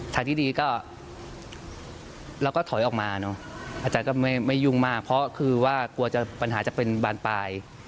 ทางที่ดีก็เราก็ถอยออกมาเนอะอาจารย์ก็ไม่ยุ่งมากเพราะคือว่ากลัวจะปัญหาจะเป็นบานปลาย